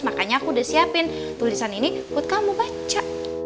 makanya aku udah siapin tulisan ini buat kamu baca